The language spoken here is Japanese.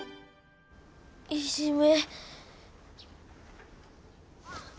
いじめ。